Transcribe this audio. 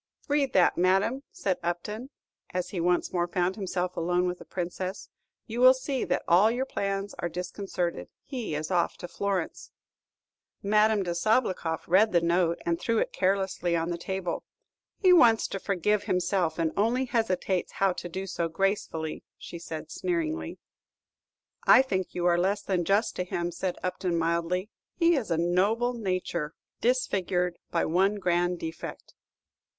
"Read that, madame," said Upton, as he once more found himself alone with the Princess; "you will see that all your plans are disconcerted. He is off to Florence." Madame de Sabloukoff read the note, and threw it carelessly on the table. "He wants to forgive himself, and only hesitates how to do so gracefully," said she, sneeringly. "I think you are less than just to him," said Upton, mildly; "his is a noble nature, disfigured by one grand defect."